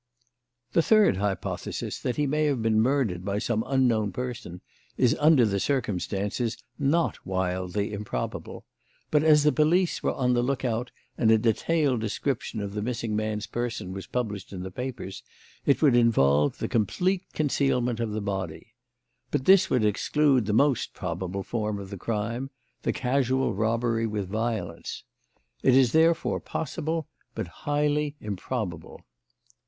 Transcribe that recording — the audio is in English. "The third hypothesis, that he may have been murdered by some unknown person, is, under the circumstances, not wildly improbable; but, as the police were on the look out and a detailed description of the missing man's person was published in the papers, it would involve the complete concealment of the body. But this would exclude the most probable form of the crime the casual robbery with violence. It is therefore possible, but highly improbable.